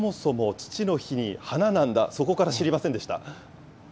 そもそも父の日に花なんだ、そこから知りませんでした。